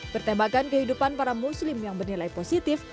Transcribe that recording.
bertembakan kehidupan para muslim yang bernilai positif